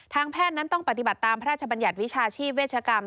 แพทย์นั้นต้องปฏิบัติตามพระราชบัญญัติวิชาชีพเวชกรรม